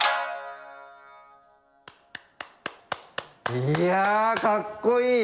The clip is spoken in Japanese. いやかっこいい！